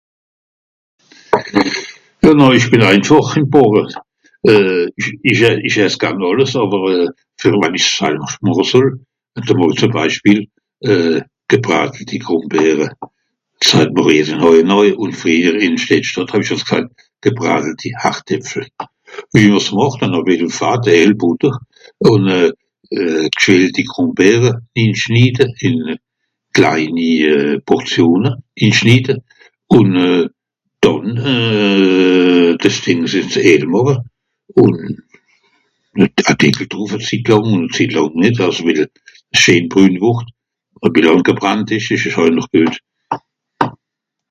Euh nà ich bin einfàch im bàche euh ìch ess, ìch ess garn àlles, àwer fer wenn ich s salwerscht màche soll, ze mol zuem Beispiel euh gebratelti Grumbeere, diss sajt mr hier in Höjenöj, un friehjer in Schlettschtàtt hàw ich àls gsajt gebragelti Hartäpfel. Wie mr s màcht, a nà e bissel Fatt, Eel, Butter, un euh euh gschälti Grumbeere inschniede, in kleini Portione, inschniede, un euh dànn euh euh dis Dings in s Eel màche un e Deckel druff e Zitt làng, un e Zitt làng nitt àss e bissel scheen brün word un bissel àngebrannt isch, isch ö noch guet